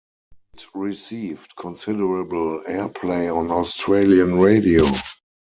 It received considerable air play on Australian radio.